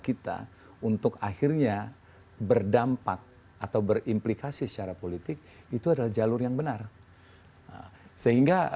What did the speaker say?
kita untuk akhirnya berdampak atau berimplikasi secara politik itu adalah jalur yang benar sehingga